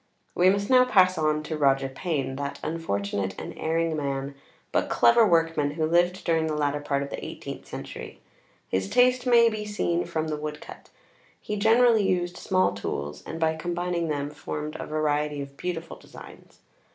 We must now |xviii| pass on to Roger Payne, that unfortunate and erring man but clever workman, who lived during the latter part of the eighteenth century. His taste may be seen from the woodcut. He generally used small tools, and by combining them formed a variety of beautiful designs.